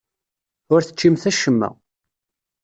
Ur teččimt acemma.